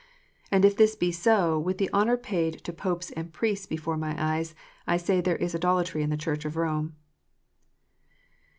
And if this be so, with the honour paid to Popes and Priests before my eyes, I say there is idolatry in the Church of Rome.